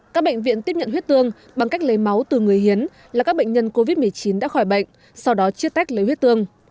các bệnh viện tiếp nhận huyết tương bằng cách lấy máu từ người hiến là các bệnh nhân covid một mươi chín đã khỏi bệnh sau đó chiết tách lấy huyết tương